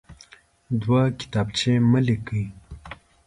دوه کتابچې مه لیکئ.